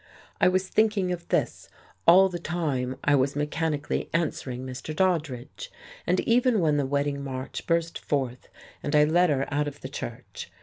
I was thinking of this all the time I was mechanically answering Mr. Doddridge, and even when the wedding march burst forth and I led her out of the church.